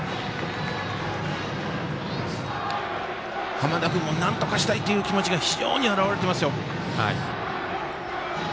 濱田君もなんとかしたいって気持ちが非常に表れてますよ。